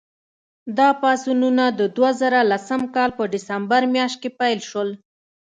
دا پاڅونونه د دوه زره لسم کال په ډسمبر میاشت کې پیل شول.